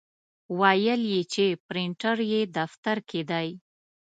ویل یې چې پرنټر یې دفتر کې دی.